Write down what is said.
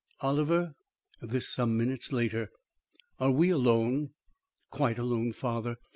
"Oliver?" This some minutes later. "Are we alone?" "Quite alone, father.